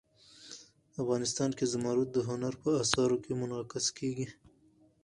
افغانستان کې زمرد د هنر په اثار کې منعکس کېږي.